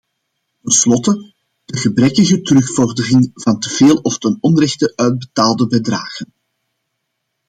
Ten slotte, de gebrekkige terugvordering van teveel of ten onrechte uitbetaalde bedragen.